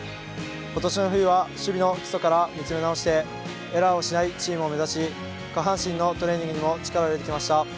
今年の冬は守備の基礎から見つめ直してエラーをしないチームを目指し下半身のトレーニングにも力を入れてきました。